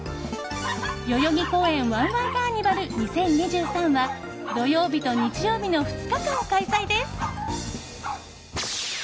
代々木公園わんわんカーニバル２０２３は土曜日と日曜日の２日間、開催です。